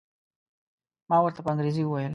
ما ورته په انګریزي وویل.